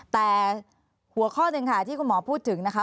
แต่หัวข้อหนึ่งค่ะที่คุณหมอพูดถึงนะคะ